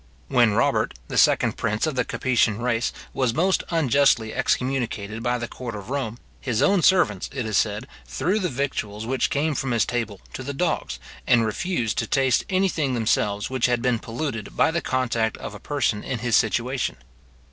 When Robert, the second prince of the Capetian race, was most unjustly excommunicated by the court of Rome, his own servants, it is said, threw the victuals which came from his table to the dogs, and refused to taste any thing themselves which had been polluted by the contact of a person in his situation.